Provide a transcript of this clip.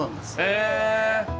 へえ。